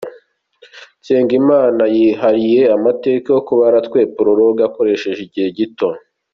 Nsengimana yihariye amateka yo kuba yaratwaye Prologue akoresheje igihe gito.